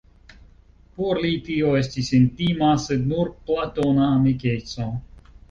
Por li tio estis intima, sed nur platona amikeco.